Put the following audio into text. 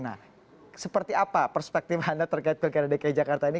nah seperti apa perspektif anda terkait pilkada dki jakarta ini